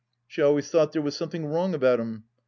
She always thought there was something wrong about 'im.